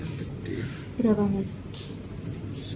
yang apbn berapa